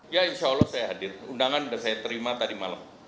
ya insya allah saya hadir undangan sudah saya terima tadi malam